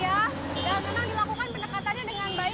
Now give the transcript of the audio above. dan kita dilakukan pendekatannya dengan baik ya